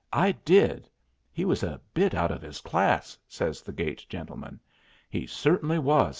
"I did. He was a bit out of his class," says the gate gentleman. "He certainly was!"